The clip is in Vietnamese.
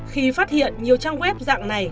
khi phát hiện nhiều trang web dạng này